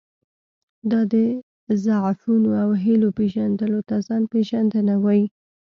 دا د ضعفونو او هیلو پېژندلو ته ځان پېژندنه وایي.